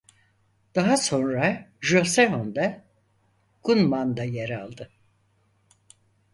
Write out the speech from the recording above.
Daha sonra "Joseon'da Gunman"'da yer aldı.